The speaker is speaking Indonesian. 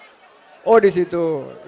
bapak anies rasid baswedan